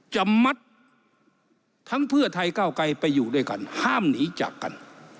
จะมัดทั้งเพื่อไทยก้าวไกลไปอยู่ด้วยกันห้ามหนีจากกัน